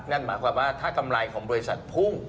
นั่นหมายความว่าถ้ากำไรของบริษัทพุ่ง